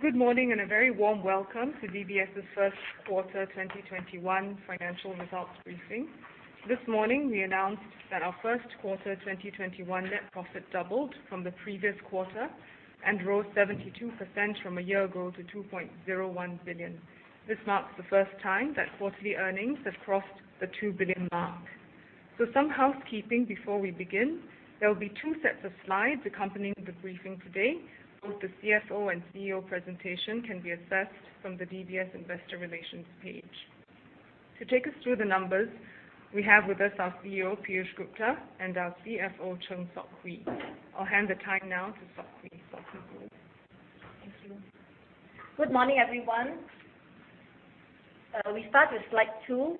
Good morning, and a very warm welcome to DBS' first quarter 2021 financial results briefing. This morning we announced that our first quarter 2021 net profit doubled from the previous quarter and rose 72% from a year ago to 2.01 billion. This marks the first time that quarterly earnings have crossed the 2 billion mark. Some housekeeping before we begin. There will be two sets of slides accompanying the briefing today. Both the CFO and CEO presentation can be accessed from the DBS Investor Relations page. To take us through the numbers, we have with us our CEO Piyush Gupta and our CFO Chng Sok Hui. I'll hand the time now to Sok Hui. Sok Hui, go ahead. Thank you. Good morning, everyone. We start with slide two.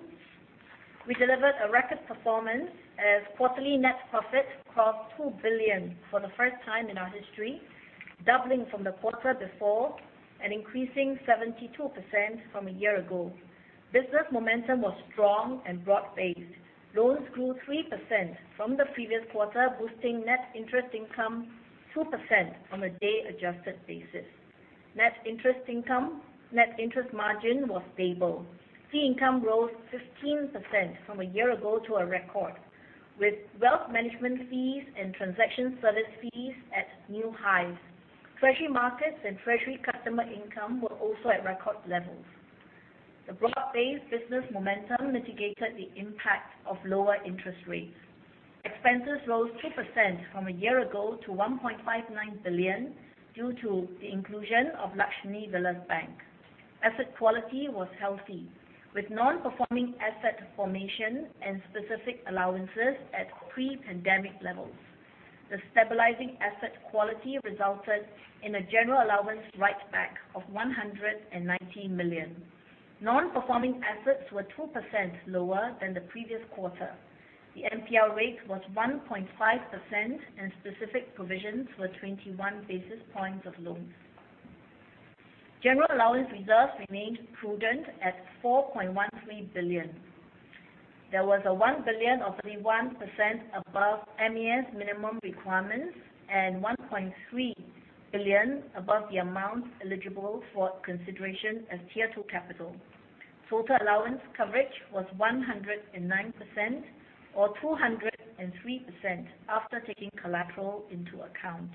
We delivered a record performance as quarterly net profit crossed 2 billion for the first time in our history, doubling from the quarter before and increasing 72% from a year ago. Business momentum was strong and broad-based. Loans grew 3% from the previous quarter, boosting net interest income 2% on a day adjusted basis. Net interest margin was stable. Fee income rose 15% from a year ago to a record, with wealth management fees and transaction service fees at new highs. Treasury markets and treasury customer income were also at record levels. The broad-based business momentum mitigated the impact of lower interest rates. Expenses rose 2% from a year ago to 1.59 billion due to the inclusion of Lakshmi Vilas Bank. Asset quality was healthy, with non-performing asset formation and specific allowances at pre-pandemic levels. The stabilizing asset quality resulted in a general allowance write-back of 119 million. Non-performing assets were 2% lower than the previous quarter. The NPL rate was 1.5%, and specific provisions were 21 basis points of loans. General allowance reserves remained prudent at 4.13 billion. There was a 1 billion or 31% above MAS minimum requirements and 1.3 billion above the amount eligible for consideration as Tier 2 capital. Total allowance coverage was 109%, or 203% after taking collateral into account.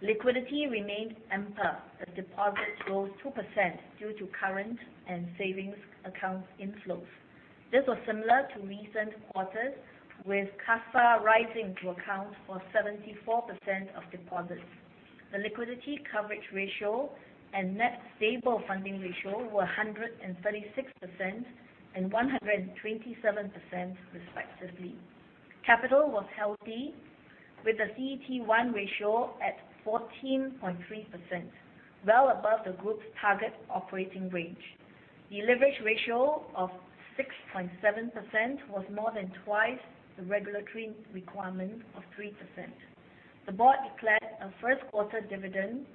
Liquidity remained ample as deposits rose 2% due to current and savings account inflows. This was similar to recent quarters, with CASA rising to account for 74% of deposits. The liquidity coverage ratio and net stable funding ratio were 136% and 127%, respectively. Capital was healthy, with the CET1 ratio at 14.3%, well above the group's target operating range. The leverage ratio of 6.7% was more than twice the regulatory requirement of 3%. The board declared a first quarter dividend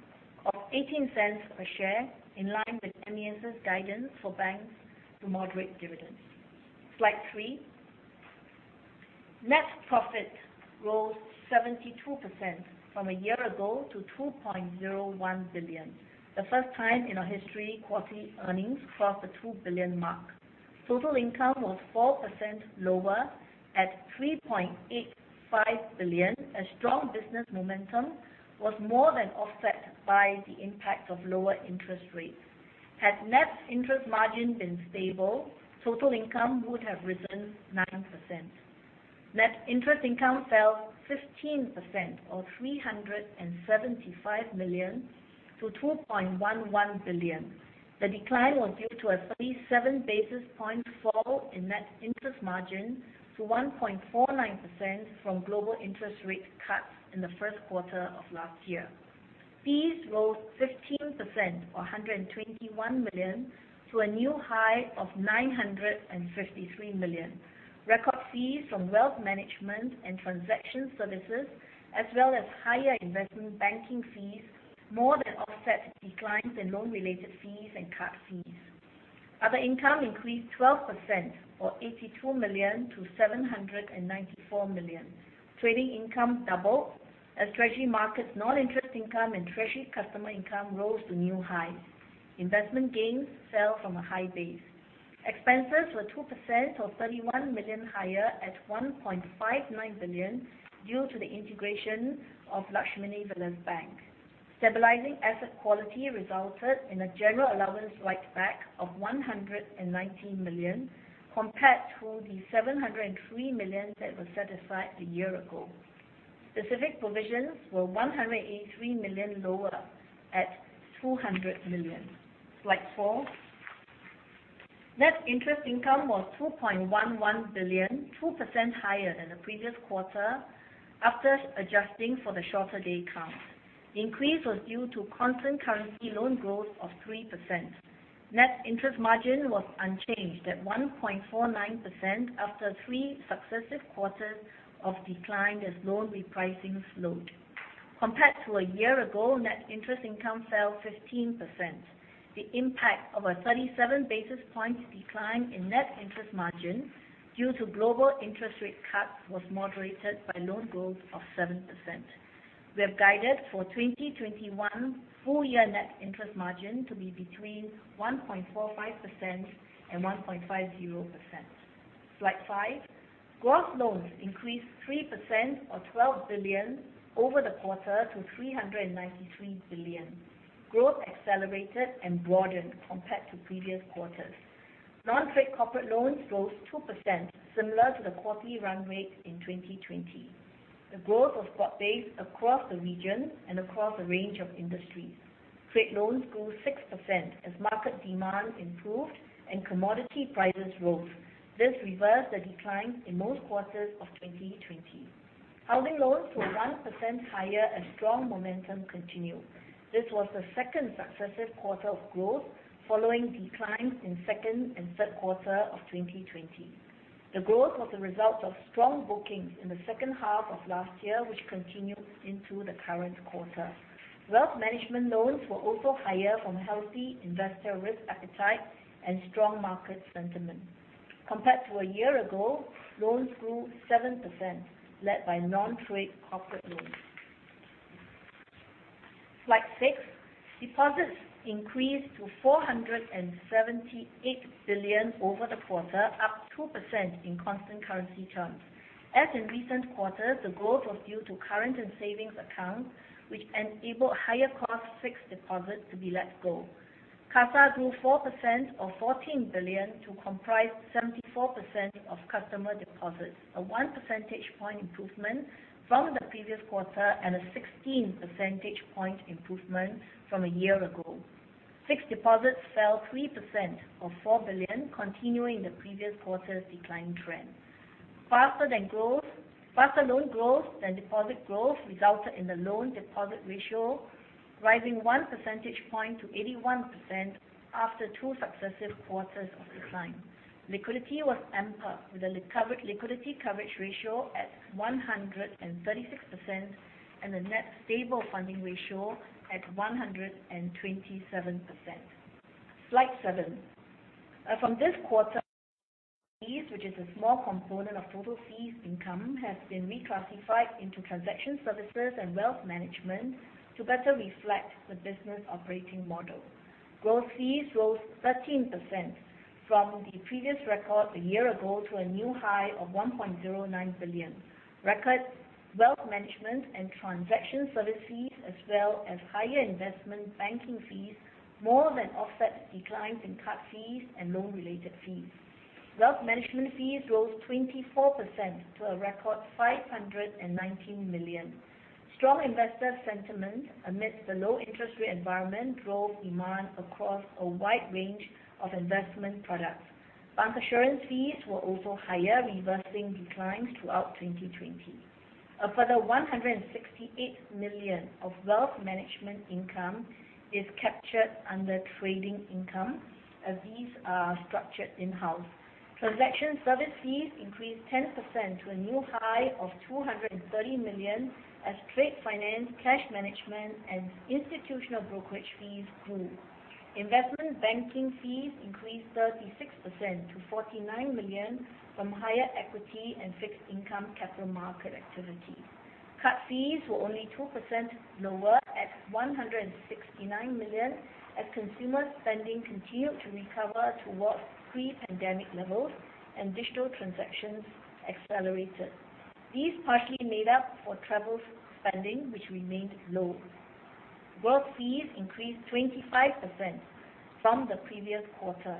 of 0.18 a share, in line with MAS' guidance for banks to moderate dividends. Slide three. Net profit rose 72% from a year ago to 2.01 billion. The first time in our history quarterly earnings crossed the 2 billion mark. Total income was 4% lower at 3.85 billion, as strong business momentum was more than offset by the impact of lower interest rates. Had net interest margin been stable, total income would have risen 9%. Net interest income fell 15%, or 375 million to 2.11 billion. The decline was due to a 37 basis point fall in net interest margin to 1.49% from global interest rate cuts in the first quarter of last year. Fees rose 15%, or 121 million, to a new high of 953 million. Record fees from wealth management and transaction services, as well as higher investment banking fees, more than offset declines in loan-related fees and card fees. Other income increased 12%, or 82 million to 794 million. Trading income doubled as treasury markets' non-interest income and treasury customer income rose to new highs. Investment gains fell from a high base. Expenses were 2%, or 31 million higher at 1.59 billion due to the integration of Lakshmi Vilas Bank. Stabilizing asset quality resulted in a general allowance write-back of 119 million, compared to the 703 million that was set aside a year ago. Specific provisions were 183 million lower at 200 million. Slide four. Net interest income was 2.11 billion, 2% higher than the previous quarter after adjusting for the shorter day count. The increase was due to constant currency loan growth of 3%. Net interest margin was unchanged at 1.49% after three successive quarters of decline as loan repricing slowed. Compared to a year ago, net interest income fell 15%. The impact of a 37 basis point decline in net interest margin due to global interest rate cuts was moderated by loan growth of 7%. We have guided for 2021 full year net interest margin to be between 1.45% and 1.50%. Slide five. Gross loans increased 3% or 12 billion over the quarter to 393 billion. Growth accelerated and broadened compared to previous quarters. Non-trade corporate loans rose 2%, similar to the quarterly run rate in 2020. The growth was broad-based across the region and across a range of industries. Trade loans grew 6% as market demand improved and commodity prices rose. This reversed the decline in most quarters of 2020. Housing loans were 1% higher as strong momentum continued. This was the 2nd successive quarter of growth following declines in second and third quarter of 2020. The growth was a result of strong bookings in the second half of last year, which continued into the current quarter. Wealth management loans were also higher from healthy investor risk appetite and strong market sentiment. Compared to a year ago, loans grew 7%, led by non-trade corporate loans. Slide six. Deposits increased to SGD 478 billion over the quarter, up 2% in constant currency terms. As in recent quarters, the growth was due to current and savings accounts, which enabled higher cost fixed deposits to be let go. CASA grew 4% or 14 billion to comprise 74% of customer deposits, a one percentage point improvement from the previous quarter and a 16 percentage point improvement from a year ago. Fixed deposits fell 3% or 4 billion, continuing the previous quarter's decline trend. Faster loan growth than deposit growth resulted in the loan deposit ratio rising one percentage point to 81% after two successive quarters of decline. Liquidity was ample, with the liquidity coverage ratio at 136% and the net stable funding ratio at 127%. Slide seven. From this quarter, fees, which is a small component of total fees income, has been reclassified into transaction services and wealth management to better reflect the business operating model. Gross fees rose 13% from the previous record a year ago to a new high of 1.09 billion. Record wealth management and transaction service fees as well as higher investment banking fees more than offset declines in card fees and loan-related fees. Wealth management fees rose 24% to a record 519 million. Strong investor sentiment amidst the low-interest rate environment drove demand across a wide range of investment products. Bank assurance fees were also higher, reversing declines throughout 2020. A further 168 million of wealth management income is captured under trading income as these are structured in-house. Transaction service fees increased 10% to a new high of 230 million as trade finance, cash management, and institutional brokerage fees grew. Investment banking fees increased 36% to 49 million from higher equity and fixed income capital market activity. Card fees were only 2% lower at 169 million, as consumer spending continued to recover towards pre-pandemic levels and digital transactions accelerated. These partially made up for travel spending, which remained low. Growth fees increased 25% from the previous quarter.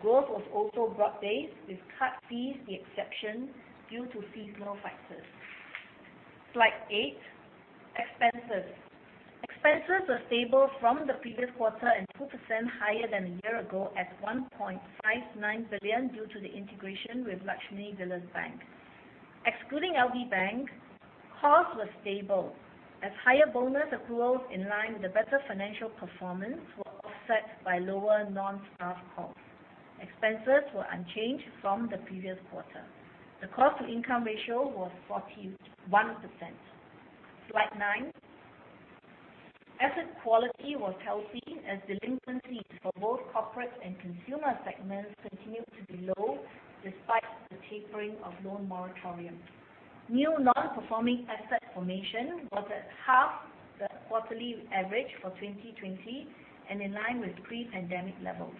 Growth was also broad-based, with card fees the exception due to seasonal factors. Slide eight. Expenses. Expenses were stable from the previous quarter and 2% higher than a year ago at 1.59 billion due to the integration with Lakshmi Vilas Bank. Excluding LV Bank, costs were stable as higher bonus accruals in line with the better financial performance were offset by lower non-staff costs. Expenses were unchanged from the previous quarter. The cost-to-income ratio was 41%. Slide nine. Asset quality was healthy as delinquencies for both corporate and consumer segments continued to be low despite the tapering of loan moratorium. New non-performing asset formation was at half the quarterly average for 2020 and in line with pre-pandemic levels.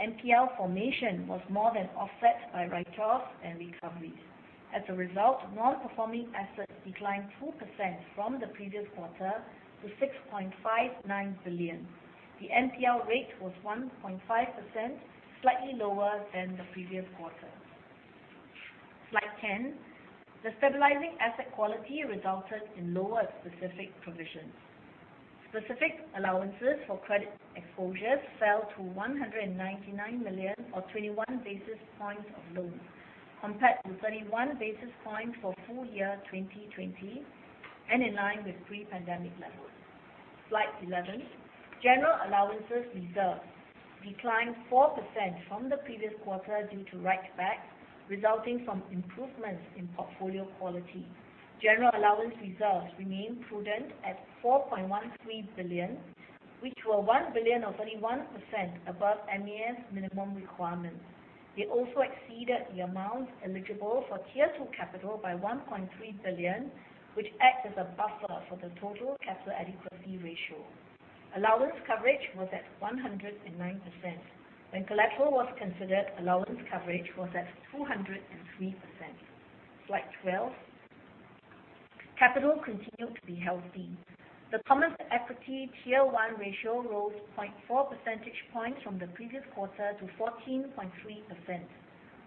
NPL formation was more than offset by write-offs and recoveries. As a result, non-performing assets declined 2% from the previous quarter to 6.59 billion. The NPL rate was 1.5%, slightly lower than the previous quarter. Slide 10. The stabilizing asset quality resulted in lower specific provisions. Specific allowances for credit exposures fell to 199 million or 21 basis points of loans, compared to 31 basis points for full year 2020 and in line with pre-pandemic levels. Slide 11. General allowance reserves declined 4% from the previous quarter due to write-back, resulting from improvements in portfolio quality. General allowance reserves remain prudent at 4.13 billion, which were 1 billion or 31% above MAS minimum requirements. It also exceeded the amount eligible for Tier 2 capital by 1.3 billion, which acts as a buffer for the total capital adequacy ratio. Allowance coverage was at 109%. When collateral was considered, allowance coverage was at 203%. Slide 12. Capital continued to be healthy. The common equity Tier 1 ratio rose 0.4 percentage points from the previous quarter to 14.3%.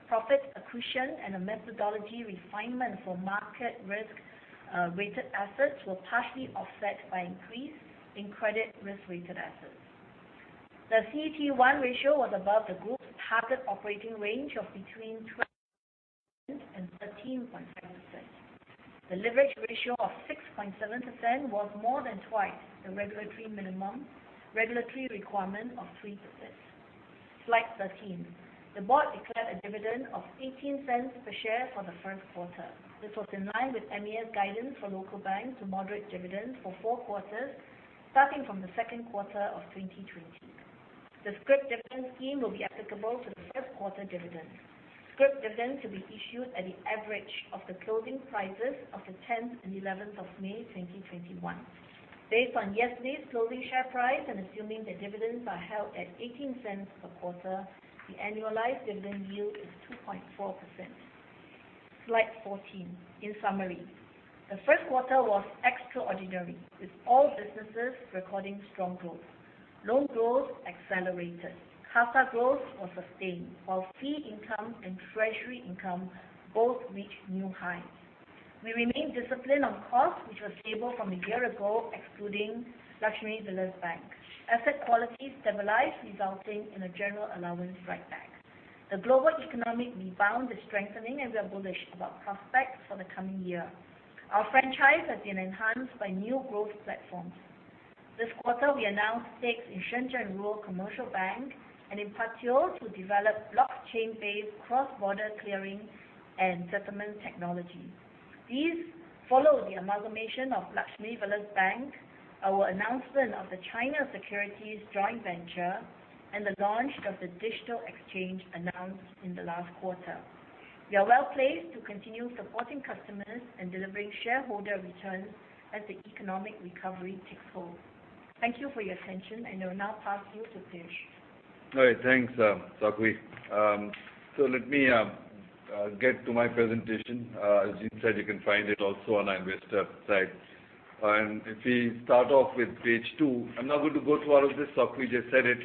Profit accretion and a methodology refinement for market risk-weighted assets were partially offset by increase in credit risk-weighted assets. The CET1 ratio was above the group's target operating range of between 12% and 13.5%. The leverage ratio of 6.7% was more than twice the regulatory requirement of 3%. Slide 13. The board declared a dividend of 0.18 per share for the first quarter. This was in line with MAS guidance for local banks to moderate dividends for four quarters, starting from the second quarter of 2020. The scrip dividend scheme will be applicable for the first quarter dividends. Scrip dividends will be issued at the average of the closing prices of the 10th and 11th of May 2021. Based on yesterday's closing share price and assuming the dividends are held at 0.18 per quarter, the annualized dividend yield is 2.4%. Slide 14. In summary, the first quarter was extraordinary, with all businesses recording strong growth. Loan growth accelerated. CASA growth was sustained, while fee income and treasury income both reached new highs. We remain disciplined on costs, which was stable from a year ago, excluding Lakshmi Vilas Bank. Asset quality stabilized, resulting in a general allowance write back. The global economic rebound is strengthening. We are bullish about prospects for the coming year. Our franchise has been enhanced by new growth platforms. This quarter, we announced stakes in Shenzhen Rural Commercial Bank and in Partior to develop blockchain-based cross-border clearing and settlement technology. These follow the amalgamation of Lakshmi Vilas Bank, our announcement of the DBS Securities (China) Limited joint venture, the launch of the DBS Digital Exchange announced in the last quarter. We are well-placed to continue supporting customers and delivering shareholder returns as the economic recovery takes hold. Thank you for your attention. I will now pass you to Piyush. All right. Thanks, Sok Hui. Let me get to my presentation. If we start off with page two, I'm not going to go through all of this, Sok Hui just said it,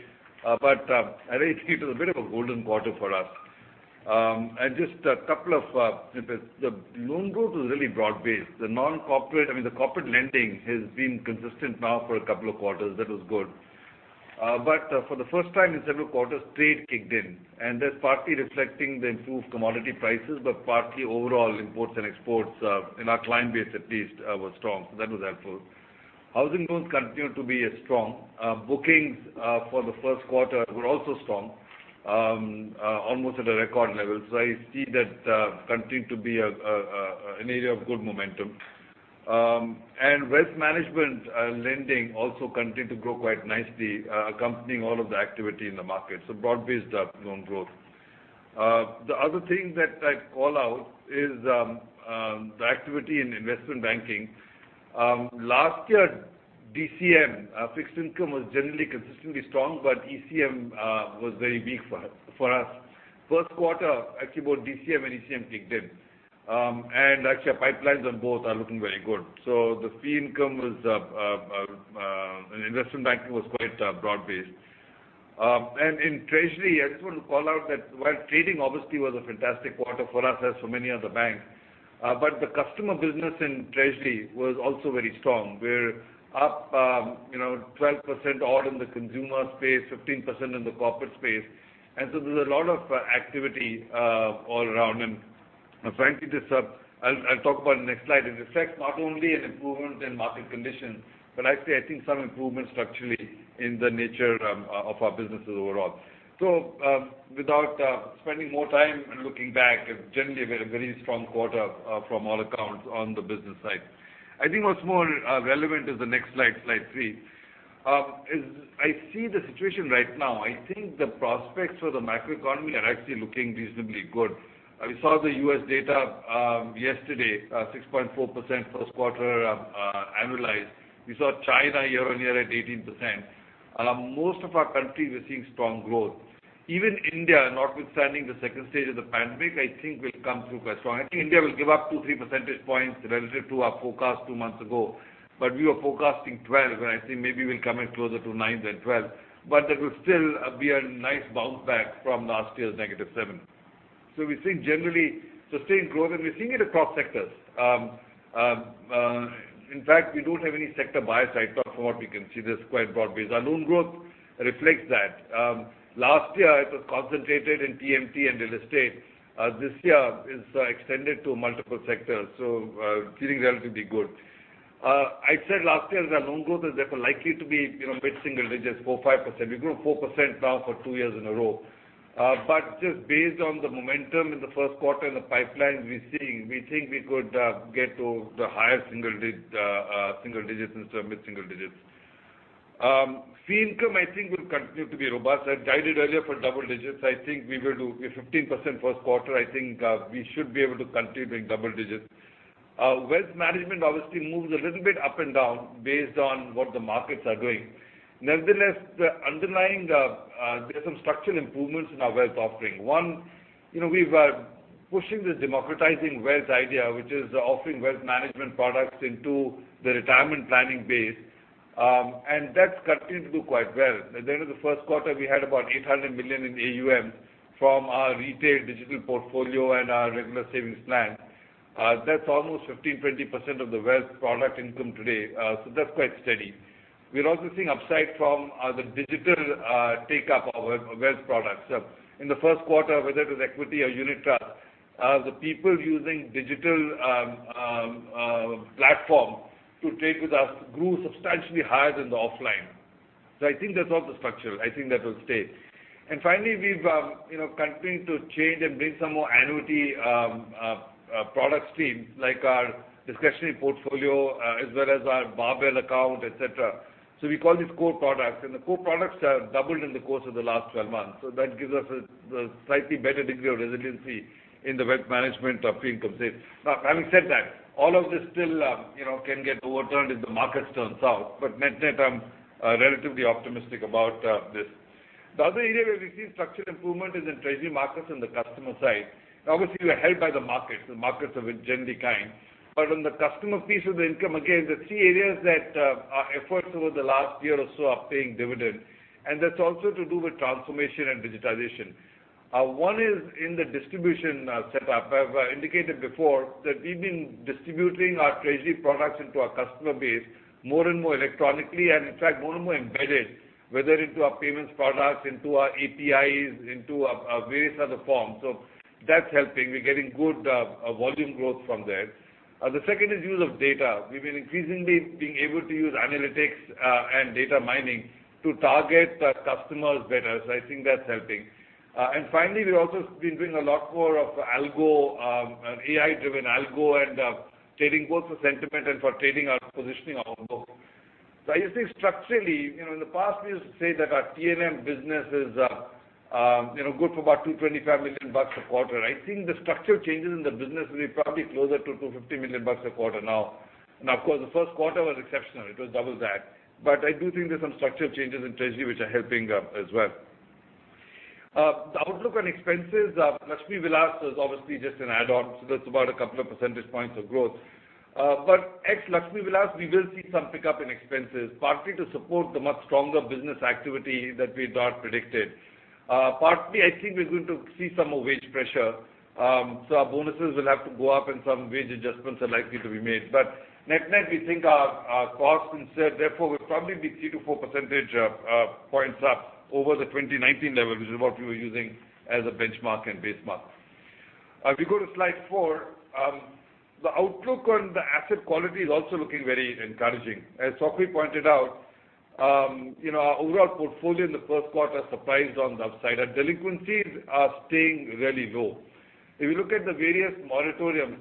but I think it was a bit of a golden quarter for us. Just a couple of snippets. The loan growth was really broad-based. The corporate lending has been consistent now for a couple of quarters. That was good. For the first time in several quarters, trade kicked in, and that's partly reflecting the improved commodity prices, but partly overall imports and exports in our client base at least was strong. That was helpful. Housing loans continued to be strong. Bookings for the first quarter were also strong, almost at a record level. I see that continuing to be an area of good momentum. Wealth management lending also continued to grow quite nicely, accompanying all of the activity in the market. Broad-based loan growth. The other thing that I'd call out is the activity in investment banking. Last year, DCM fixed income was generally consistently strong, but ECM was very weak for us. First quarter, actually both DCM and ECM kicked in. Actually our pipelines on both are looking very good. The fee income and investment banking was quite broad based. In treasury, I just want to call out that while trading obviously was a fantastic quarter for us, as for many other banks, but the customer business in treasury was also very strong. We're up 12% odd in the consumer space, 15% in the corporate space, there's a lot of activity all around. Frankly, I'll talk about it next slide, it reflects not only an improvement in market conditions, but I'd say, I think some improvement structurally in the nature of our businesses overall. Without spending more time and looking back, generally we had a very strong quarter from all accounts on the business side. I think what's more relevant is the next slide three. As I see the situation right now, I think the prospects for the macroeconomy are actually looking reasonably good. We saw the U.S. data yesterday, 6.4% first quarter annualized. We saw China year-on-year at 18%. Most of our countries we're seeing strong growth. Even India, notwithstanding the stage II of the pandemic, I think will come through quite strong. I think India will give up two, three percentage points relative to our forecast two months ago. We were forecasting 12, where I think maybe we'll come in closer to nine than 12, but that will still be a nice bounce back from last year's negative seven. We're seeing generally sustained growth, and we're seeing it across sectors. In fact, we don't have any sector bias. I thought from what we can see, that's quite broad-based. Our loan growth reflects that. Last year it was concentrated in TMT and real estate. This year it's extended to multiple sectors, so feeling relatively good. I said last year that loan growth is therefore likely to be mid-single digits, 4%-5%. We grew 4% now for two years in a row. Just based on the momentum in the first quarter and the pipelines we're seeing, we think we could get to the higher single digits instead of mid-single digits. Fee income, I think, will continue to be robust. I guided earlier for double digits. I think we will do a 15% first quarter. I think we should be able to continue being double digits. Wealth management obviously moves a little bit up and down based on what the markets are doing. Nevertheless, underlying, there's some structural improvements in our wealth offering. One, we're pushing this democratizing wealth idea, which is offering wealth management products into the retirement planning base, and that's continued to do quite well. At the end of the first quarter, we had about 800 million in AUM from our retail digital portfolio and our regular savings plan. That's almost 15%, 20% of the wealth product income today. That's quite steady. We're also seeing upside from the digital take-up of wealth products. In the first quarter, whether it is equity or unit trust, the people using digital platform to trade with us grew substantially higher than the offline. I think that's also structural. I think that will stay. Finally, we've continued to change and bring some more annuity product stream, like our discretionary portfolio, as well as our barbell account, et cetera. We call these core products, and the core products have doubled in the course of the last 12 months. That gives us a slightly better degree of resiliency in the wealth management fee income space. Now, having said that, all of this still can get overturned if the markets turn south, but net net, I'm relatively optimistic about this. The other area where we've seen structural improvement is in treasury markets on the customer side. Obviously, we're helped by the markets. The markets have been generally kind. On the customer piece of the income, again, the three areas that our efforts over the last year or so are paying dividends, and that's also to do with transformation and digitization. One is in the distribution setup. I've indicated before that we've been distributing our treasury products into our customer base more and more electronically and in fact, more and more embedded, whether into our payments products, into our APIs, into our various other forms. That's helping. We're getting good volume growth from there. The second is use of data. We've been increasingly being able to use analytics and data mining to target our customers better. I think that's helping. Finally, we've also been doing a lot more of AI-driven algo and trading both for sentiment and for trading our positioning. I just think structurally, in the past we used to say that our T&M business is good for about 225 million bucks a quarter. I think the structural changes in the business will be probably closer to 250 million bucks a quarter now. Of course, the first quarter was exceptional. It was double that. I do think there's some structural changes in treasury which are helping as well. The outlook on expenses, Lakshmi Vilas is obviously just an add-on, that's about a couple of percentage points of growth. Ex Lakshmi Vilas, we will see some pickup in expenses, partly to support the much stronger business activity that we had predicted. Partly, I think we're going to see some wage pressure. Our bonuses will have to go up and some wage adjustments are likely to be made. Net-net, we think our costs, therefore, will probably be three to four percentage points up over the 2019 level, which is what we were using as a benchmark and baseline. If we go to slide four, the outlook on the asset quality is also looking very encouraging. As Sok Hui pointed out, our overall portfolio in the first quarter surprised on the upside. Our delinquencies are staying really low. If you look at the various moratoriums,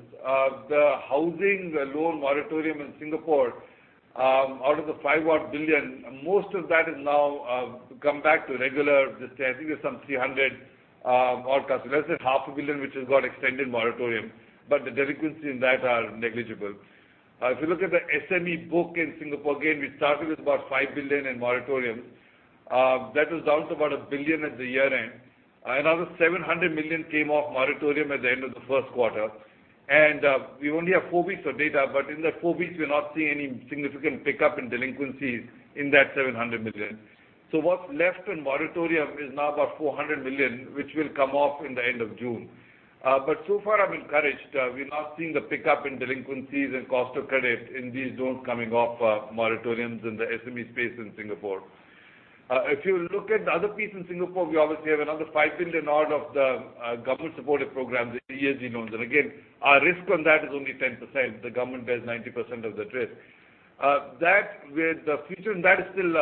the housing loan moratorium in Singapore, out of the 5 odd billion, most of that has now come back to regular. I think there's some 300 odd customers, let's say SGD half a billion, which has got extended moratorium, but the delinquencies in that are negligible. If you look at the SME book in Singapore, again, we started with about 5 billion in moratorium. That was down to about 1 billion at the year-end. 700 million came off moratorium at the end of the first quarter. We only have four weeks of data, but in the four weeks, we're not seeing any significant pickup in delinquencies in that 700 million. What's left in moratorium is now about 400 million, which will come off in the end of June. So far I'm encouraged. We're not seeing the pickup in delinquencies and cost of credit in these loans coming off moratoriums in the SME space in Singapore. If you look at the other piece in Singapore, we obviously have another 5 billion odd of the government supported programs, the ESG loans. Again, our risk on that is only 10%. The government bears 90% of the risk. The future in that still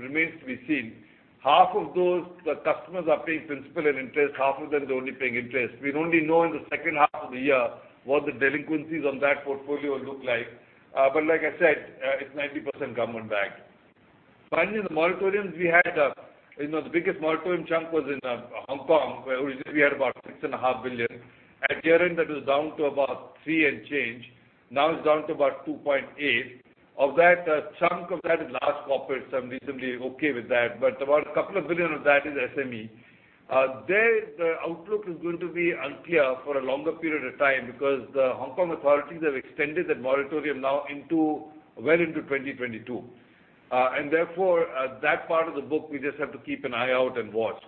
remains to be seen. Half of those customers are paying principal and interest, half of them they're only paying interest. We'll only know in the second half of the year what the delinquencies on that portfolio look like. Like I said, it's 90% government backed. Finally, the moratoriums we had, the biggest moratorium chunk was in Hong Kong, where we had about six and a half billion. At year-end, that was down to about SGD three and change. Now it's down to about 2.8. Of that, a chunk of that is large corporates. I'm reasonably okay with that, but about SGD couple of billion of that is SME. There, the outlook is going to be unclear for a longer period of time because the Hong Kong authorities have extended that moratorium now well into 2022. Therefore, that part of the book, we just have to keep an eye out and watch.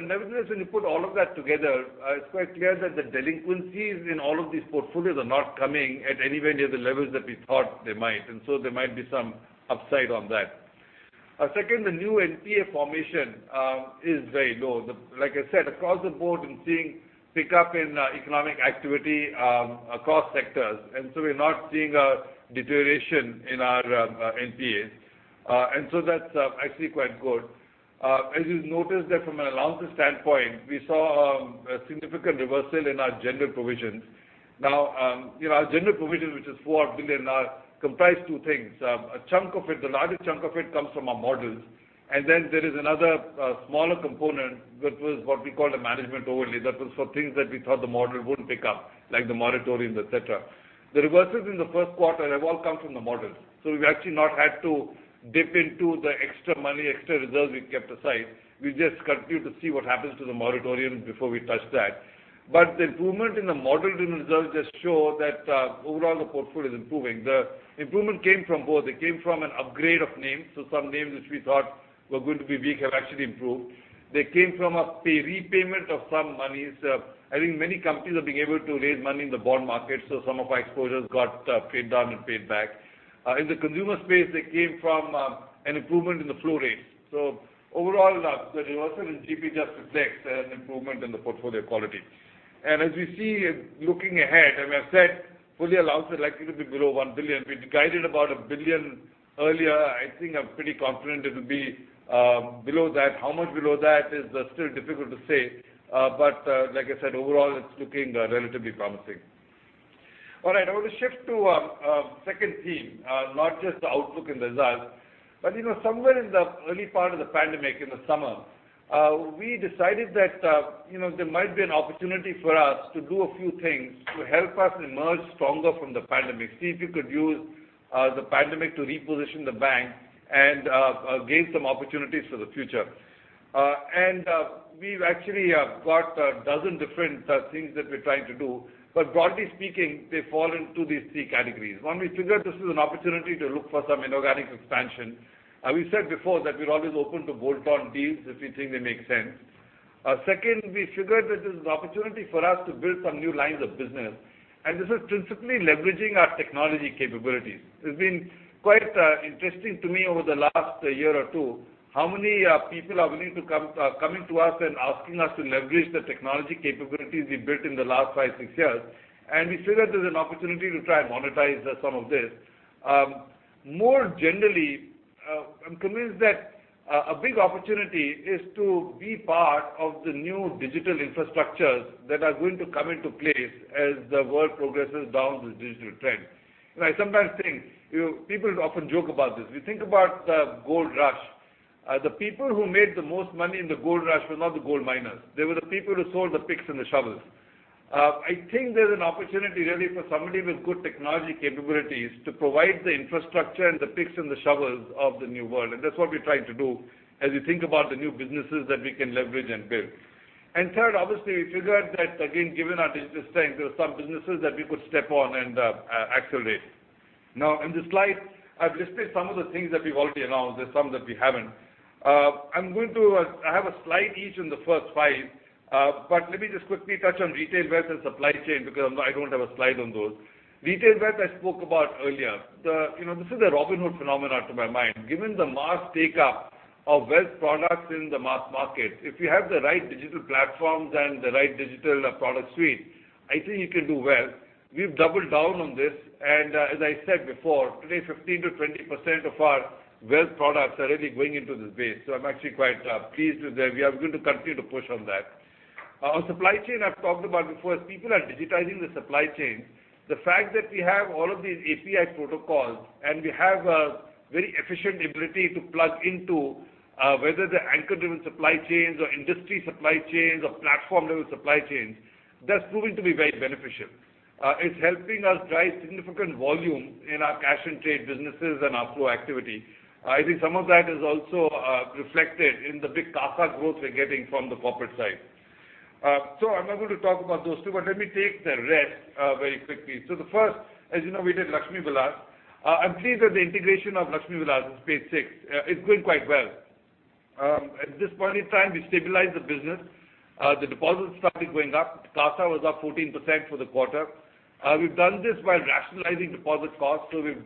Nevertheless, when you put all of that together, it's quite clear that the delinquencies in all of these portfolios are not coming at anywhere near the levels that we thought they might. There might be some upside on that. Second, the new NPA formation is very low. Like I said, across the board we're seeing pickup in economic activity across sectors, and so we're not seeing a deterioration in our NPAs. That's actually quite good. As you've noticed that from an allowance standpoint, we saw a significant reversal in our general provisions. Now, our general provisions, which is 4 billion, comprise two things. The largest chunk of it comes from our models, and then there is another smaller component that was what we call a management overlay. That was for things that we thought the model wouldn't pick up, like the moratorium, et cetera. The reversals in the first quarter have all come from the models. We've actually not had to dip into the extra money, extra reserves we've kept aside. We just continue to see what happens to the moratorium before we touch that. The improvement in the model reserves just show that overall the portfolio is improving. The improvement came from both. It came from an upgrade of names, so some names which we thought were going to be weak have actually improved. They came from a repayment of some monies. I think many companies are being able to raise money in the bond market, so some of our exposures got paid down and paid back. In the consumer space, they came from an improvement in the flow rates. Overall, the reversal in GP just reflects an improvement in the portfolio quality. As we see looking ahead, as I said, fully allowance are likely to be below 1 billion. We guided about 1 billion earlier. I think I'm pretty confident it'll be below that. How much below that is still difficult to say. Like I said, overall, it's looking relatively promising. All right, I want to shift to a second theme, not just the outlook and results. Somewhere in the early part of the pandemic, in the summer, we decided that there might be an opportunity for us to do a few things to help us emerge stronger from the pandemic, see if we could use the pandemic to reposition the bank and gain some opportunities for the future. We've actually got 12 different things that we're trying to do. Broadly speaking, they fall into these three categories. One, we figured this is an opportunity to look for some inorganic expansion. We said before that we're always open to bolt-on deals if we think they make sense. We figured that this is an opportunity for us to build some new lines of business, and this is principally leveraging our technology capabilities. It's been quite interesting to me over the last year or two how many people are willing to coming to us and asking us to leverage the technology capabilities we built in the last five, six years, and we figured there's an opportunity to try and monetize some of this. More generally, I'm convinced that a big opportunity is to be part of the new digital infrastructures that are going to come into place as the world progresses down this digital trend. I sometimes think that people often joke about this. We think about the Gold Rush. The people who made the most money in the Gold Rush were not the gold miners. They were the people who sold the picks and the shovels. I think there's an opportunity really for somebody with good technology capabilities to provide the infrastructure and the picks and the shovels of the new world, and that's what we're trying to do as we think about the new businesses that we can leverage and build. Third, obviously, we figured that again, given our digital strength, there were some businesses that we could step on and accelerate. In the slide, I've listed some of the things that we've already announced. There's some that we haven't. I have a slide each in the first five but let me just quickly touch on retail wealth and supply chain because I don't have a slide on those. Retail wealth I spoke about earlier. This is a Robinhood phenomenon to my mind. Given the mass take-up of wealth products in the mass market, if you have the right digital platforms and the right digital product suite, I think you can do well. We've doubled down on this, and as I said before, today 15%-20% of our wealth products are really going into this space. I'm actually quite pleased with that. We are going to continue to push on that. On supply chain, I've talked about before, as people are digitizing the supply chain, the fact that we have all of these API protocols and we have a very efficient ability to plug into, whether they're anchor-driven supply chains or industry supply chains or platform-level supply chains, that's proving to be very beneficial. It's helping us drive significant volume in our cash and trade businesses and our flow activity. I think some of that is also reflected in the big CASA growth we're getting from the corporate side. I'm not going to talk about those two but let me take the rest very quickly. The first, as you know, we did Lakshmi Vilas. I'm pleased that the integration of Lakshmi Vilas, it's page six, is going quite well. At this point in time, we stabilized the business. The deposits started going up. CASA was up 14% for the quarter. We've done this while rationalizing deposit costs, so we've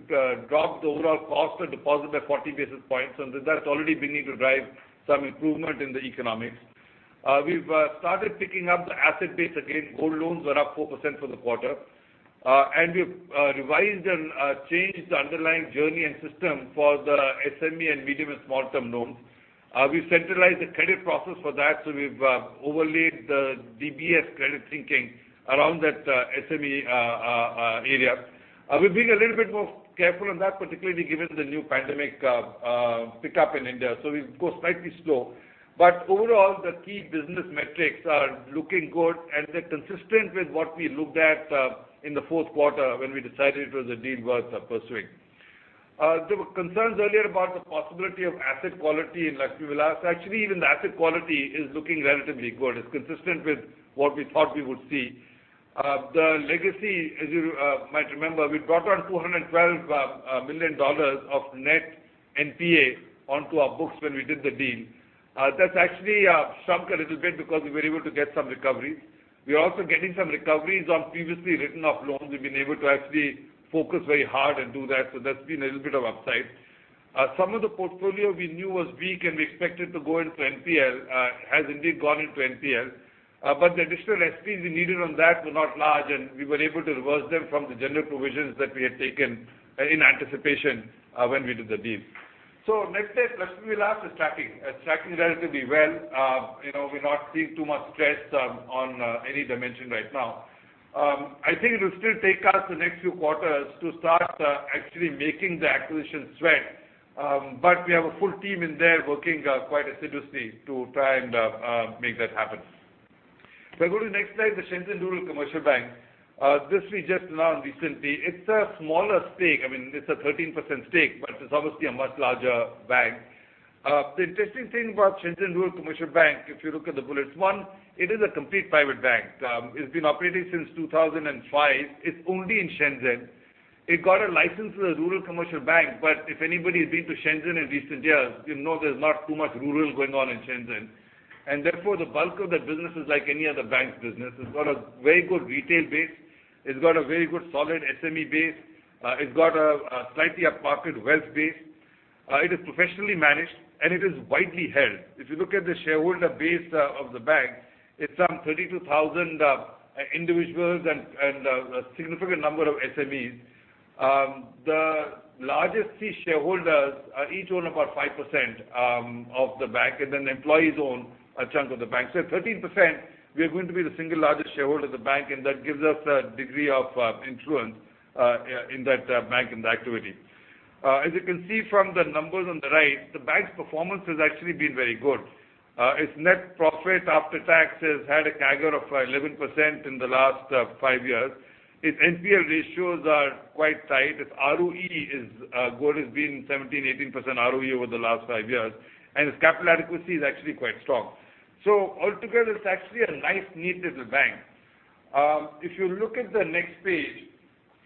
dropped the overall cost of deposit by 40 basis points, and that's already beginning to drive some improvement in the economics. We've started picking up the asset base again. Gold loans were up 4% for the quarter. We've revised and changed the underlying journey and system for the SME and medium and small-term loans. We've centralized the credit process for that, so we've overlaid the DBS credit thinking around that SME area. We're being a little bit more careful on that, particularly given the new pandemic pickup in India, so we've gone slightly slow. Overall, the key business metrics are looking good and they're consistent with what we looked at in the fourth quarter when we decided it was a deal worth pursuing. There were concerns earlier about the possibility of asset quality in Lakshmi Vilas. Actually, even the asset quality is looking relatively good. It's consistent with what we thought we would see. The legacy, as you might remember, we brought on 212 million dollars of net NPA onto our books when we did the deal. That's actually shrunk a little bit because we were able to get some recoveries. We're also getting some recoveries on previously written-off loans. We've been able to actually focus very hard and do that, so that's been a little bit of upside. Some of the portfolio we knew was weak and we expected to go into NPL, has indeed gone into NPL. The additional SPs we needed on that were not large, and we were able to reverse them from the general provisions that we had taken in anticipation when we did the deal. Next slide, please. We will ask is tracking. Tracking relatively well. We're not seeing too much stress on any dimension right now. I think it will still take us the next few quarters to start actually making the acquisition sweat. We have a full team in there working quite assiduously to try and make that happen. If I go to the next slide, the Shenzhen Rural Commercial Bank. This we just learned recently. It's a smaller stake. It's a 13% stake, but it's obviously a much larger bank. The interesting thing about Shenzhen Rural Commercial Bank, if you look at the bullets, one, it is a complete private bank. It's been operating since 2005. It's only in Shenzhen. It got a license as a rural commercial bank, but if anybody's been to Shenzhen in recent years, you know there's not too much rural going on in Shenzhen. Therefore, the bulk of that business is like any other bank business. It's got a very good retail base. It's got a very good solid SME base. It's got a slightly upmarket wealth base. It is professionally managed, and it is widely held. If you look at the shareholder base of the bank, it's some 32,000 individuals and a significant number of SMEs. The largest three shareholders each own about 5% of the bank, and then the employees own a chunk of the bank. At 13%, we are going to be the single largest shareholder of the bank, and that gives us a degree of influence in that bank, in the activity. As you can see from the numbers on the right, the bank's performance has actually been very good. Its net profit after tax has had a CAGR of 11% in the last five years. Its NPL ratios are quite tight. Its ROE is good, it's been 17%, 18% ROE over the last five years, and its capital adequacy is actually quite strong. Altogether, it's actually a nice, neat little bank. If you look at the next page,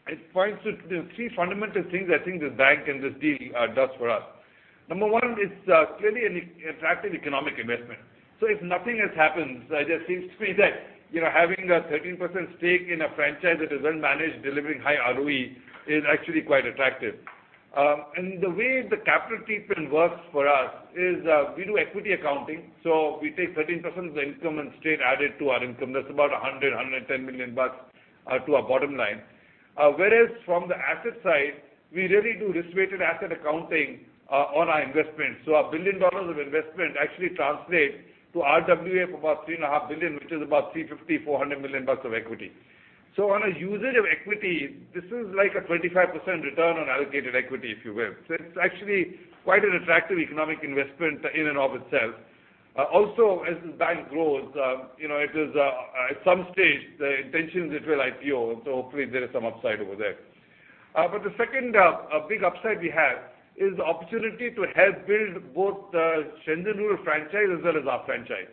it points to the three fundamental things I think this bank and this deal does for us. Number one, it's clearly an attractive economic investment. If nothing has happened, it just seems to me that having a 13% stake in a franchise that is well-managed, delivering high ROE, is actually quite attractive. The way the capital treatment works for us is we do equity accounting, so we take 13% of the income and straight add it to our income. That's about 100 million-110 million bucks to our bottom line. Whereas from the asset side, we really do risk-weighted asset accounting on our investment. Our 1 billion dollars of investment actually translates to RWA of about 3.5 billion, which is about 350 million-400 million bucks of equity. On a usage of equity, this is like a 25% return on allocated equity, if you will. It's actually quite an attractive economic investment in and of itself. Also, as this bank grows, at some stage, the intention is it will IPO, hopefully there is some upside over there. The second big upside we have is the opportunity to help build both the Shenzhen Rural franchise as well as our franchise.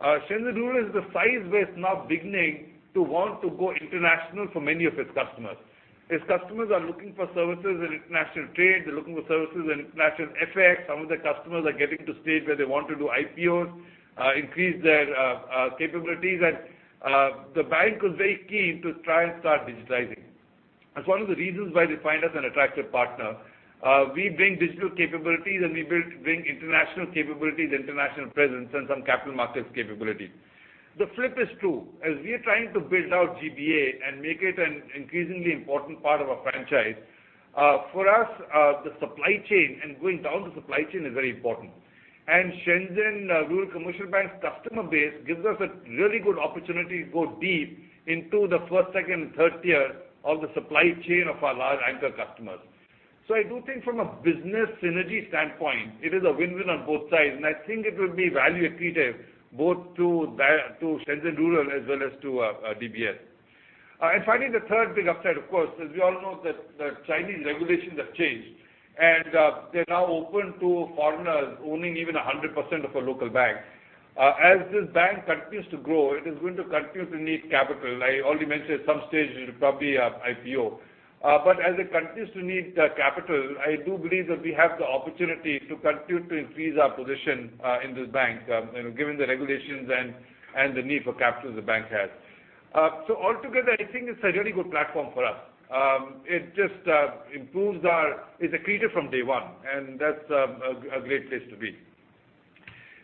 Shenzhen Rural is the size where it's now beginning to want to go international for many of its customers. Its customers are looking for services in international trade. They're looking for services in international FX. Some of the customers are getting to a stage where they want to do IPOs, increase their capabilities, and the bank was very keen to try and start digitizing. That's one of the reasons why they find us an attractive partner. We bring digital capabilities and we bring international capabilities, international presence, and some capital markets capability. The flip is true. As we are trying to build out GBA and make it an increasingly important part of our franchise, for us, the supply chain and going down the supply chain is very important. Shenzhen Rural Commercial Bank's customer base gives us a really good opportunity to go deep into the first, second, and third tier of the supply chain of our large anchor customers. I do think from a business synergy standpoint, it is a win-win on both sides, and I think it will be value accretive both to Shenzhen Rural as well as to DBS. Finally, the third big upside, of course, as we all know that the Chinese regulations have changed, and they're now open to foreigners owning even 100% of a local bank. As this bank continues to grow, it is going to continue to need capital. I already mentioned at some stage it'll probably IPO. As it continues to need capital, I do believe that we have the opportunity to continue to increase our position in this bank, given the regulations and the need for capital the bank has. Altogether, I think it's a really good platform for us. It's accretive from day one, and that's a great place to be.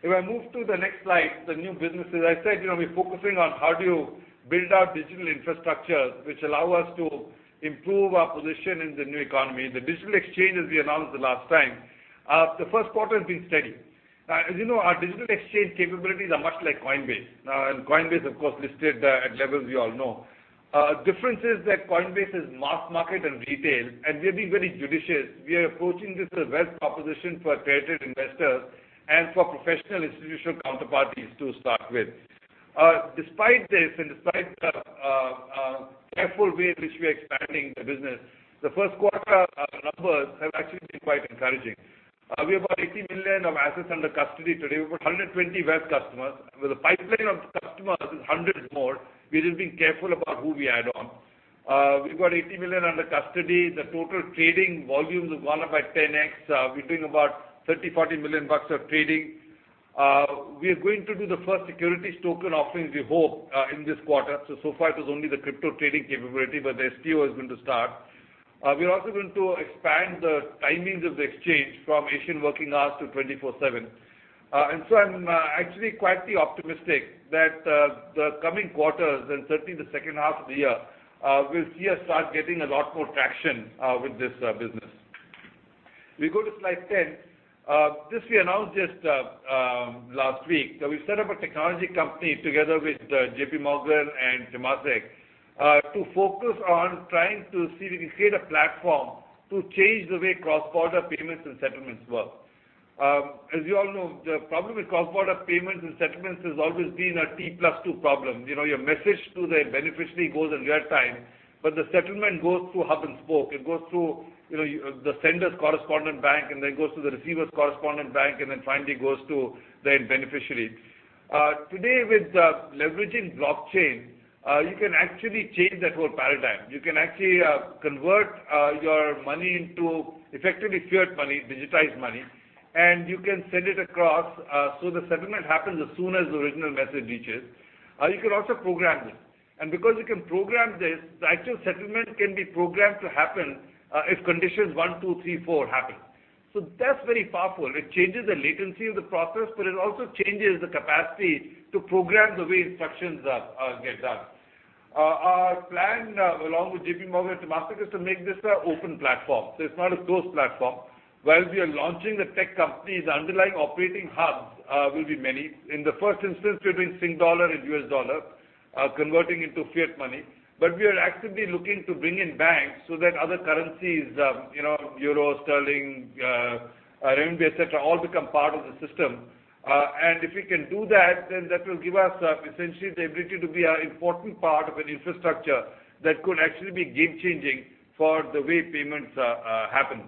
If I move to the next slide, the new businesses. I said we're focusing on how do you build out digital infrastructures which allow us to improve our position in the new economy. The DBS Digital Exchange, as we announced the last time. The first quarter has been steady. As you know, our digital exchange capabilities are much like Coinbase. Coinbase, of course, listed at levels we all know. Difference is that Coinbase is mass market and retail, and we're being very judicious. We are approaching this as wealth proposition for accredited investors and for professional institutional counterparties to start with. Despite this and despite the careful way in which we are expanding the business, the first quarter numbers have actually been quite encouraging. We have about 80 million of assets under custody today. We've got 120 wealth customers with a pipeline of customers is 100 more. We're just being careful about who we add on. We've got 80 million under custody. The total trading volume has gone up by 10x. We're doing about 30 million-40 million bucks of trading. We are going to do the first securities token offerings, we hope, in this quarter. So far it was only the crypto trading capability, but the STO is going to start. We are also going to expand the timings of the exchange from Asian working hours to 24/7. I'm actually quite optimistic that the coming quarters and certainly the second half of the year will see us start getting a lot more traction with this business. We go to slide 10. This we announced just last week. We've set up a technology company together with JPMorgan and Temasek, to focus on trying to see if we can create a platform to change the way cross-border payments and settlements work. As you all know, the problem with cross-border payments and settlements has always been a T plus two problem. Your message to the beneficiary goes in real time, but the settlement goes through hub and spoke. It goes through the sender's correspondent bank, and then goes to the receiver's correspondent bank, and then finally goes to the beneficiary. Today with leveraging blockchain, you can actually change that whole paradigm. You can actually convert your money into effectively fiat money, digitized money, and you can send it across so the settlement happens as soon as the original message reaches. You can also program this. Because you can program this, the actual settlement can be programmed to happen if conditions one, two, three, four happen. That's very powerful. It changes the latency of the process, but it also changes the capacity to program the way instructions get done. Our plan along with JPMorgan and Temasek is to make this an open platform, so it's not a closed platform. Whilst we are launching the tech company, the underlying operating hubs will be many. In the first instance, we're doing Sing Dollar and US dollar, converting into fiat money. We are actively looking to bring in banks so that other currencies, euro, sterling, RMB, et cetera, all become part of the system. If we can do that will give us essentially the ability to be an important part of an infrastructure that could actually be game changing for the way payments happen.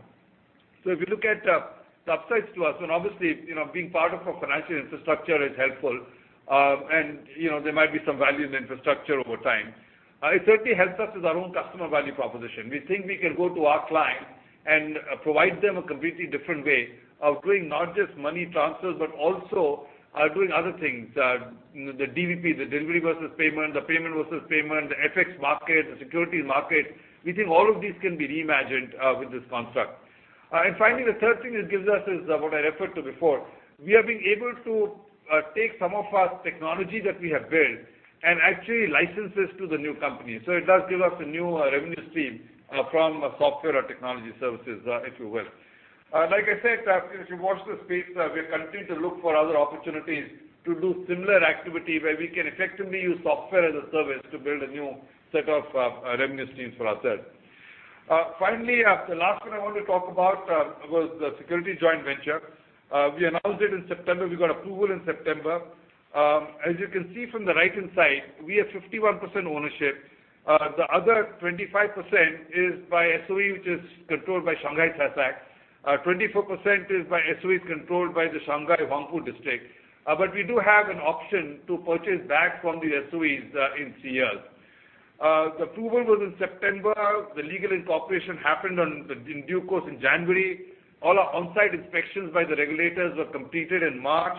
If you look at the upsides to us, obviously, being part of a financial infrastructure is helpful. There might be some value in infrastructure over time. It certainly helps us with our own customer value proposition. We think we can go to our clients and provide them a completely different way of doing not just money transfers, but also doing other things. The DVP, the delivery versus payment, the payment versus payment, the FX market, the securities market. We think all of these can be reimagined with this construct. Finally, the third thing it gives us is what I referred to before. We have been able to take some of our technology that we have built and actually license this to the new company. It does give us a new revenue stream from software or technology services if you will. Like I said, if you watch this space, we continue to look for other opportunities to do similar activity where we can effectively use software as a service to build a new set of revenue streams for ourselves. The last one I want to talk about was the security joint venture. We announced it in September. We got approval in September. As you can see from the right-hand side, we have 51% ownership. The other 25% is by SOE, which is controlled by Shanghai SASAC. 24% is by SOEs controlled by the Shanghai Huangpu District. We do have an option to purchase back from the SOEs in years. The approval was in September. The legal incorporation happened in due course in January. All our on-site inspections by the regulators were completed in March.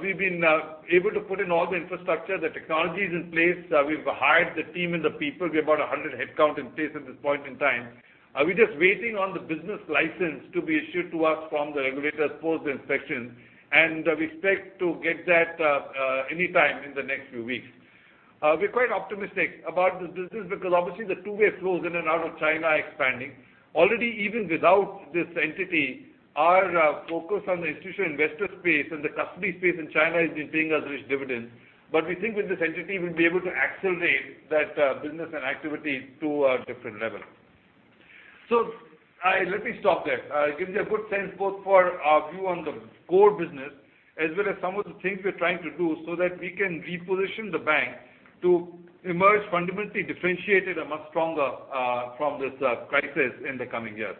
We've been able to put in all the infrastructure. The technology is in place. We've hired the team and the people. We have about 100 headcount in place at this point in time. We're just waiting on the business license to be issued to us from the regulators post-inspection, and we expect to get that anytime in the next few weeks. We're quite optimistic about this business because obviously the two-way flows in and out of China expanding. Already, even without this entity, our focus on the institutional investor space and the custody space in China has been paying us rich dividends. We think with this entity, we'll be able to accelerate that business and activity to a different level. Let me stop there. Gives you a good sense both for our view on the core business, as well as some of the things we're trying to do so that we can reposition the bank to emerge fundamentally differentiated and much stronger from this crisis in the coming years.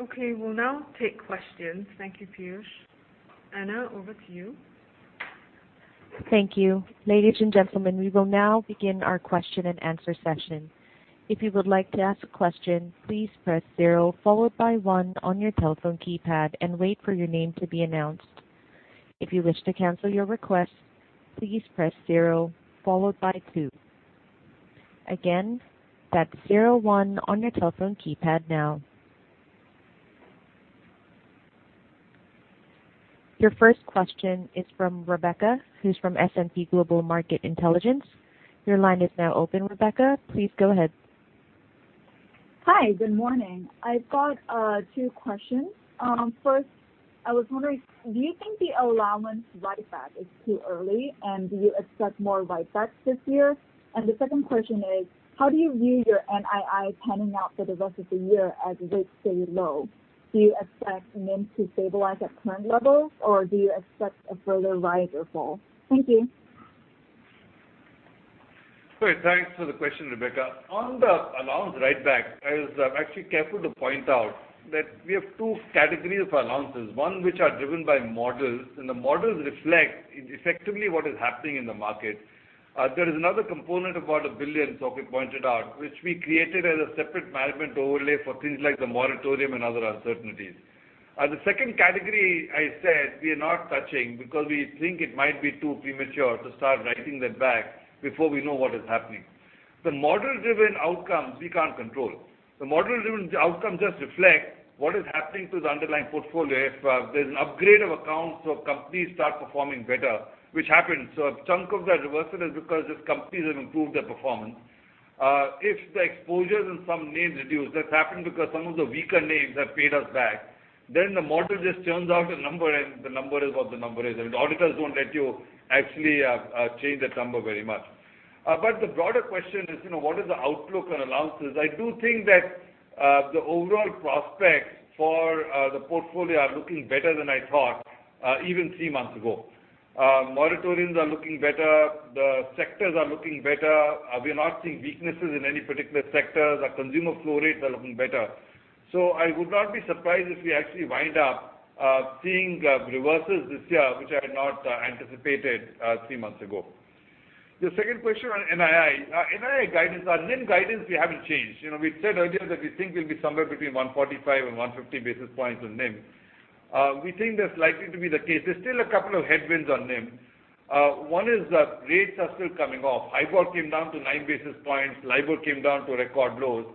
Okay. We'll now take questions. Thank you, Piyush. Anna, over to you. Thank you. Ladies and gentlemen, we will now begin our question and answer session. If you would like to ask a question, please press zero followed by one on your telephone keypad and wait for your name to be announced. If you wish to cancel your request, please press zero followed by two. Again, that's zero one on your telephone keypad now. Your first question is from Rebecca, who's from S&P Global Market Intelligence. Your line is now open, Rebecca. Please go ahead. Hi. Good morning. I've got two questions. First, I was wondering, do you think the allowance write-back is too early, and do you expect more write-backs this year? The second question is, how do you view your NII panning out for the rest of the year as rates stay low? Do you expect NIM to stabilize at current levels, or do you expect a further rise or fall? Thank you. Great. Thanks for the question, Rebecca. On the allowance write-back, I was actually careful to point out that we have two categories of allowances, one which are driven by models, and the models reflect effectively what is happening in the market. There is another component of about 1 billion, Sok Hui pointed out, which we created as a separate management overlay for things like the moratorium and other uncertainties. The second category, I said we are not touching because we think it might be too premature to start writing that back before we know what is happening. The model-driven outcomes, we can't control. The model-driven outcome just reflects what is happening to the underlying portfolio. If there's an upgrade of accounts, companies start performing better, which happens. A chunk of that reversal is because these companies have improved their performance. If the exposures in some names reduce, that's happened because some of the weaker names have paid us back, then the model just churns out a number, and the number is what the number is. The auditors won't let you actually change that number very much. The broader question is, what is the outlook on allowances? I do think that the overall prospects for the portfolio are looking better than I thought even three months ago. Moratoriums are looking better. The sectors are looking better. We are not seeing weaknesses in any particular sectors. Our consumer flow rates are looking better. I would not be surprised if we actually wind up seeing reversals this year, which I had not anticipated three months ago. The second question on NII. Our NIM guidance we haven't changed. We said earlier that we think we'll be somewhere between 145 and 150 basis points on NIM. We think that's likely to be the case. There's still a couple of headwinds on NIM. One is that rates are still coming off. HIBOR came down to nine basis points. Libor came down to record lows.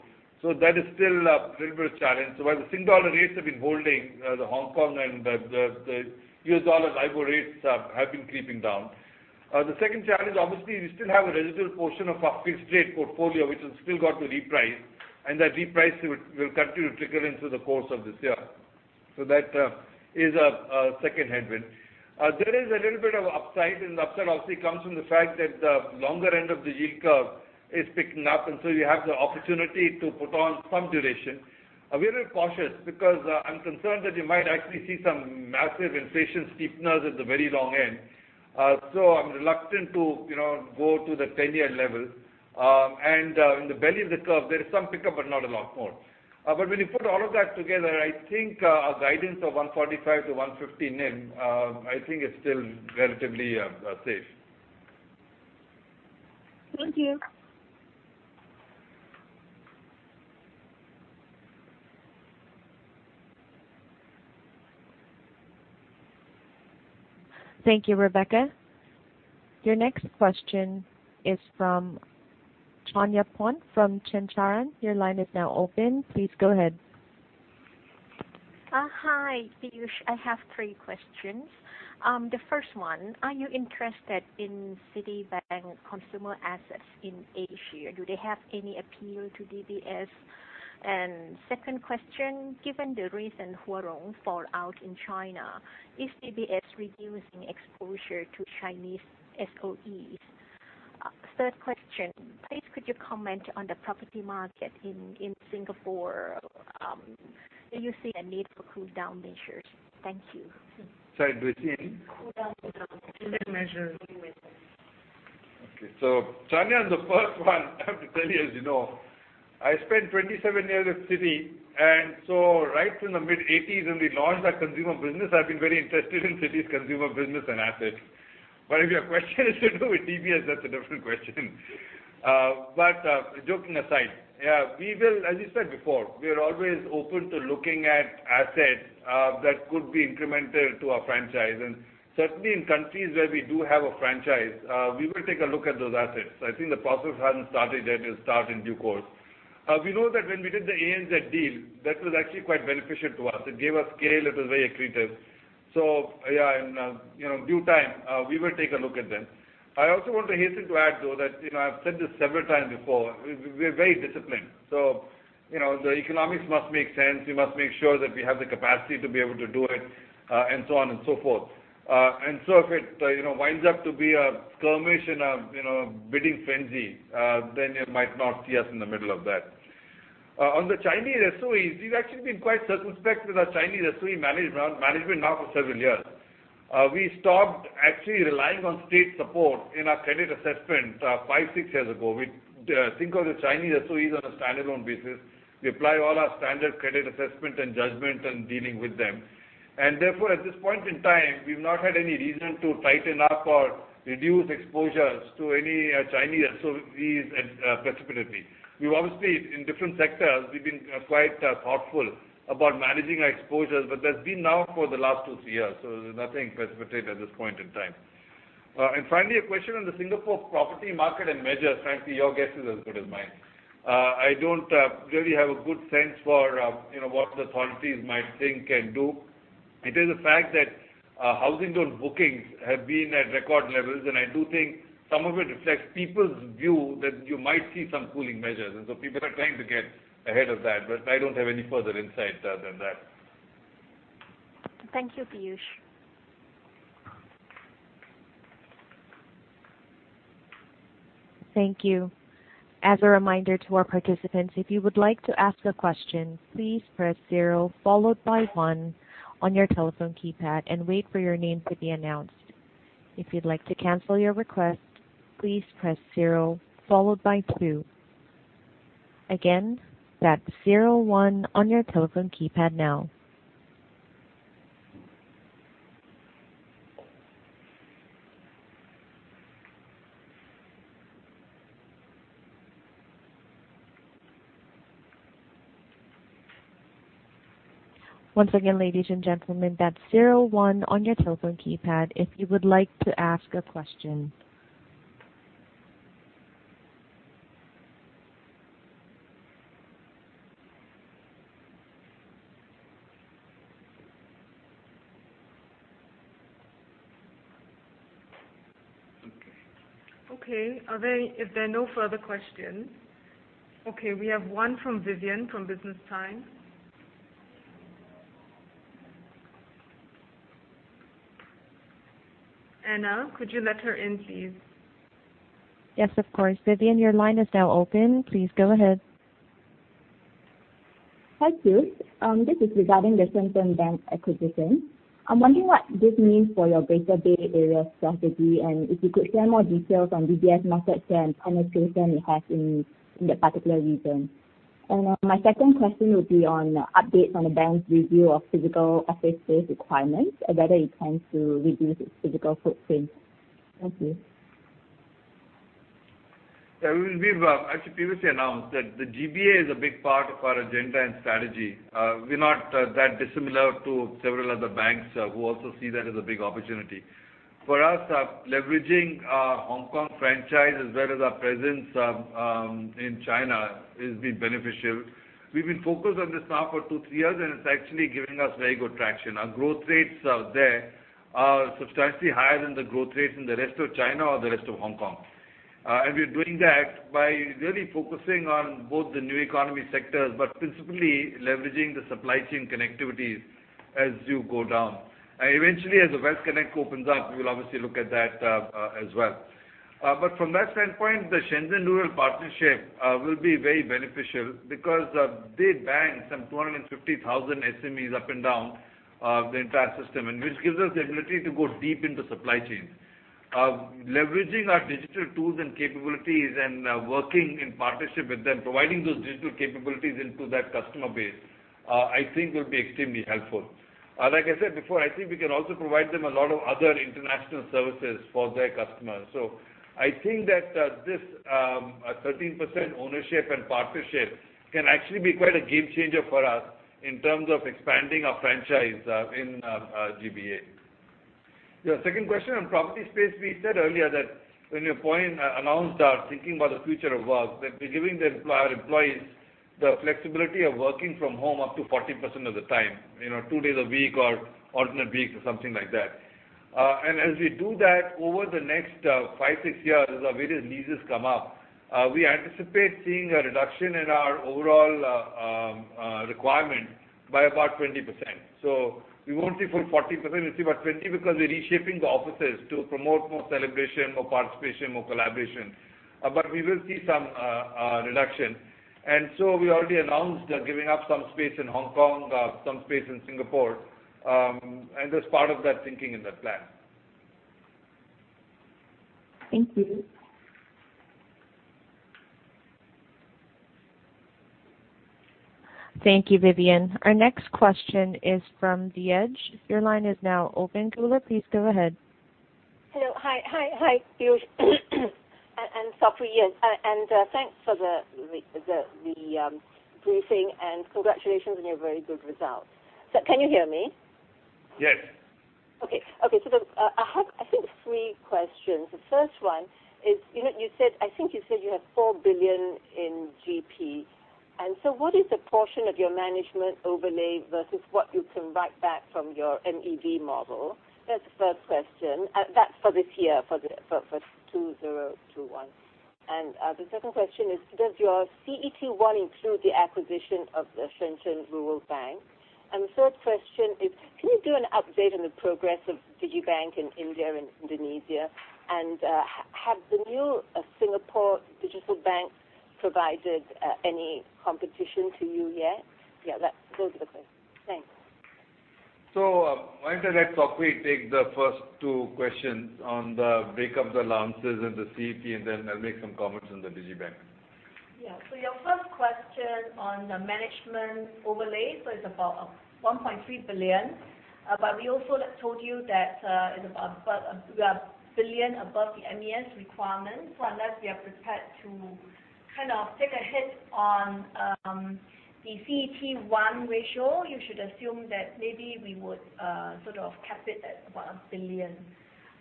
That is still a little bit of a challenge. While the Sing Dollar rates have been holding, the Hong Kong and the US dollar Libor rates have been creeping down. The second challenge, obviously, we still have a residual portion of our fixed rate portfolio, which has still got to reprice, and that reprice will continue to trickle in through the course of this year. That is a second headwind. There is a little bit of upside, and the upside obviously comes from the fact that the longer end of the yield curve is picking up, and so you have the opportunity to put on some duration. We're a little cautious because I'm concerned that you might actually see some massive inflation steepness at the very long end. I'm reluctant to go to the 10-year level. In the belly of the curve, there is some pickup, but not a lot more. When you put all of that together, I think our guidance of 145- 150 NIM, I think is still relatively safe. Thank you. Thank you, Rebecca. Your next question is from Chanyaporn Chanjaroen from Chanjaroen. Your line is now open. Please go ahead. Hi, Piyush. I have three questions. The first one, are you interested in Citibank consumer assets in Asia? Do they have any appeal to DBS? Second question, given the recent Huarong fallout in China, is DBS reducing exposure to Chinese SOEs? Third question, please could you comment on the property market in Singapore? Do you see a need for cool down measures? Thank you. Sorry, do you say again? Cool down measures. Cooling measures. Okay. Chanya, on the first one, I have to tell you, as you know, I spent 27 years at Citi, right from the mid-80s when we launched our consumer business, I've been very interested in Citi's consumer business and assets. If your question is to do with DBS, that's a different question. Joking aside, as we said before, we are always open to looking at assets that could be incremental to our franchise. Certainly in countries where we do have a franchise, we will take a look at those assets. I think the process hasn't started yet. It'll start in due course. We know that when we did the ANZ deal, that was actually quite beneficial to us. It gave us scale. It was very accretive. Yeah, in due time, we will take a look at them. I also want to hasten to add, though, that I've said this several times before, we're very disciplined. The economics must make sense. We must make sure that we have the capacity to be able to do it, and so on and so forth. If it winds up to be a skirmish in a bidding frenzy, then you might not see us in the middle of that. On the Chinese SOEs, we've actually been quite circumspect with our Chinese SOE management now for several years. We stopped actually relying on state support in our credit assessment five, six years ago. We think of the Chinese SOEs on a standalone basis. We apply all our standard credit assessment and judgment in dealing with them. Therefore, at this point in time, we've not had any reason to tighten up or reduce exposures to any Chinese SOEs precipitously. Obviously, in different sectors, we've been quite thoughtful about managing our exposures, but that's been now for the last two, three years, so there's nothing precipitate at this point in time. Finally, a question on the Singapore property market and measures. Frankly, your guess is as good as mine. I don't really have a good sense for what the authorities might think and do. It is a fact that housing loan bookings have been at record levels, and I do think some of it reflects people's view that you might see some cooling measures, and so people are trying to get ahead of that, but I don't have any further insight other than that. Thank you, Piyush. Thank you. As a reminder to our participants, if you would like to ask a question, please press zero followed by one on your telephone keypad and wait for your name to be announced. If you'd like to cancel your request, please press zero followed by two. Again, that's zero one on your telephone keypad now. Once again, ladies and gentlemen, that's zero one on your telephone keypad if you would like to ask a question. Okay. If there are no further questions. Okay, we have one from Vivien from The Business Times. Anna, could you let her in, please? Yes, of course. Vivien, your line is now open. Please go ahead. Hi, Piyush. This is regarding the Shenzhen bank acquisition. I'm wondering what this means for your Greater Bay Area strategy and if you could share more details on DBS market share and penetration it has in that particular region. My second question would be on updates on the bank's review of physical office space requirements and whether it plans to reduce its physical footprint. Thank you. We've actually previously announced that the GBA is a big part of our agenda and strategy. We're not that dissimilar to several other banks who also see that as a big opportunity. For us, leveraging our Hong Kong franchise as well as our presence in China has been beneficial. We've been focused on this now for two, three years, and it's actually giving us very good traction. Our growth rates there are substantially higher than the growth rates in the rest of China or the rest of Hong Kong. We're doing that by really focusing on both the new economy sectors but principally leveraging the supply chain connectivity as you go down. Eventually, as the Wealth Connect opens up, we'll obviously look at that as well. From that standpoint, the Shenzhen Rural partnership will be very beneficial because they bank some 250,000 SMEs up and down the entire system, and which gives us the ability to go deep into supply chains. Leveraging our digital tools and capabilities and working in partnership with them, providing those digital capabilities into that customer base, I think will be extremely helpful. Like I said before, I think we can also provide them a lot of other international services for their customers. I think that this 13% ownership and partnership can actually be quite a game changer for us in terms of expanding our franchise in GBA. Your second question on property space, we said earlier that when announced our Thinking About the Future of Work, that we're giving our employees the flexibility of working from home up to 40% of the time, two days a week or alternate weeks or something like that. As we do that over the next five, six years as our various leases come up, we anticipate seeing a reduction in our overall requirement by about 20%. We won't see full 40%, we'll see about 20% because we're reshaping the offices to promote more celebration, more participation, more collaboration. We will see some reduction. We already announced giving up some space in Hong Kong, some space in Singapore, and that's part of that thinking in that plan. Thank you. Thank you, Vivien. Our next question is from The Edge. Your line is now open, Gulnaaz. Please go ahead. Hello. Hi, Piyush and Sok Hui. Thanks for the briefing, and congratulations on your very good results. Can you hear me? Yes. I have, I think, three questions. The first one is that I think you said you have 4 billion in GP. What is the portion of your management overlay versus what you can write back from your MEV model? That's the first question. That's for this year, for 2021. The second question is, does your CET1 include the acquisition of the Shenzhen Rural Commercial Bank? The third question is, can you do an update on the progress of digibank in India and Indonesia? Have the new Singapore digital bank provided any competition to you yet? Those are the questions. Thanks. Why don't I let Sok Hui take the first two questions on the breakup the allowances and the CET, and then I'll make some comments on the digibank. Yeah. Your first question on the management overlay, it's about 1.3 billion. We also told you that we are 1 billion above the MAS requirements. Unless we are prepared to kind of take a hit on the CET1 ratio, you should assume that maybe we would sort of cap it at about 1 billion.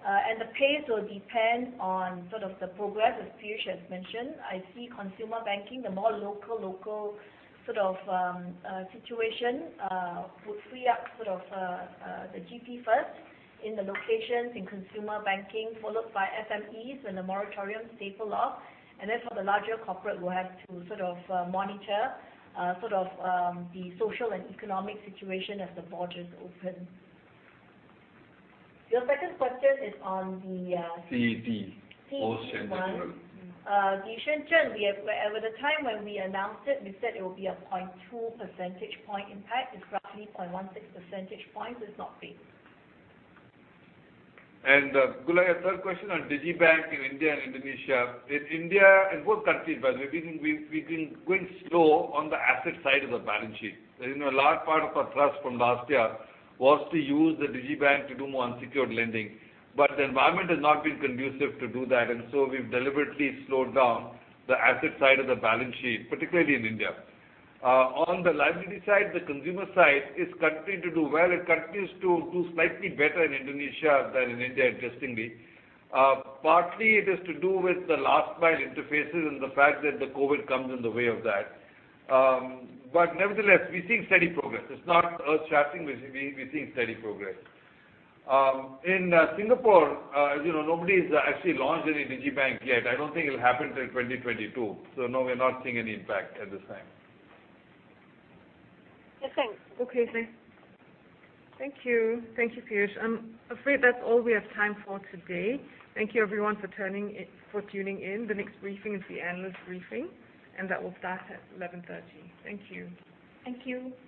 The pace will depend on sort of the progress, as Piyush has mentioned. I see consumer banking, the more local situation, would free up sort of the GP first in the locations in consumer banking, followed by SMEs when the moratoriums taper off. For the larger corporate, we'll have to sort of monitor sort of the social and economic situation as the borders open. CET for Shenzhen CET1. The Shenzhen, at the time when we announced it, we said it will be a 0.2 percentage point impact. It's roughly 0.16 percentage point. It's not big. Gulnaz, your third question on digibank in India and Indonesia. In India, in both countries, by the way, we've been going slow on the asset side of the balance sheet. A large part of our thrust from last year was to use the digibank to do more unsecured lending. The environment has not been conducive to do that. We've deliberately slowed down the asset side of the balance sheet, particularly in India. On the liability side, the consumer side is continuing to do well. It continues to do slightly better in Indonesia than in India, interestingly. Partly it has to do with the last mile interfaces and the fact that the COVID comes in the way of that. Nevertheless, we're seeing steady progress. It's not earth-shattering, but we're seeing steady progress. In Singapore, as you know, nobody's actually launched any digibank yet. I don't think it'll happen till 2022. No, we're not seeing any impact at this time. Yes, thanks. Okay. Thank you. Thank you, Piyush. I'm afraid that's all we have time for today. Thank you, everyone, for tuning in. The next briefing is the analyst briefing. That will start at 11:30 A.M. Thank you. Thank you.